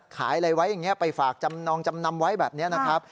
ขายอะไรไว้อย่างนี้ไปฝากจำนองจำนำไว้แบบนี้นะครับ